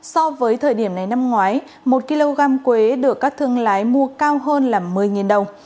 so với thời điểm này năm ngoái một kg quế được các thương lái mua cao hơn là một mươi đồng